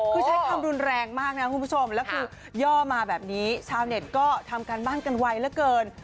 คือใช้ความรุนแรงมากนะคุณผู้ชมแล้วคือย่อมาแบบนี้ชาวเน็ตก็ทำการบ้านกันไวเหลือเกิน